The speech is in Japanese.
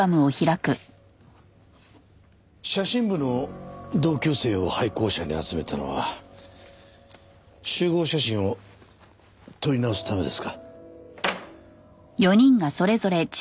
写真部の同級生を廃校舎に集めたのは集合写真を撮り直すためですか？